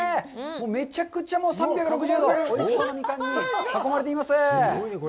めちゃくちゃもう３６０度おいしそうなミカンに囲まれています。